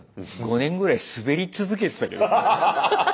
５年ぐらいスベり続けてたけどな。